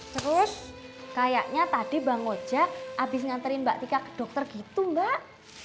terus kayaknya tadi mbak ngojak abis nganterin mbak tika ke dokter gitu mbak